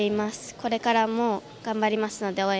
これからも頑張りますので応援